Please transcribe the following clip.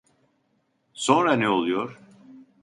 Sonra ne oluyor?